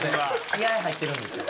気合入ってるんですよ